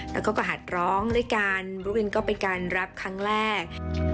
แล้วก็ประหัดร้องด้วยกันบูวินก็เป็นการรับครั้งแรก